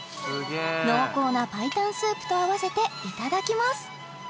濃厚な白湯スープと合わせていただきます